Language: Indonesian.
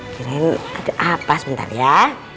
kira kira ada apa sebentar ya